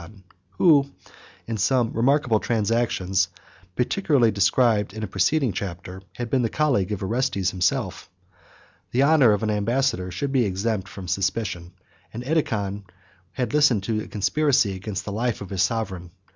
] That successful Barbarian was the son of Edecon; who, in some remarkable transactions, particularly described in a preceding chapter, had been the colleague of Orestes himself. 1191 The honor of an ambassador should be exempt from suspicion; and Edecon had listened to a conspiracy against the life of his sovereign.